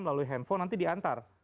lalu handphone nanti diantar